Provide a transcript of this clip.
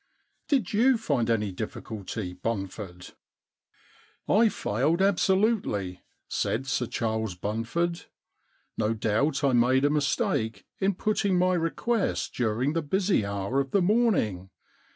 Did you find any difficulty, Bunford? '* I failed absolutely,' said Sir Charles Bun ford. * No doubt I made a mistake in putting my request during the busy hour of the morn ing.